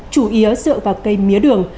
chủ yếu dựa vào cây mía đường